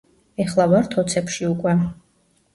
ეხლა ვართ ოცებში უკვე.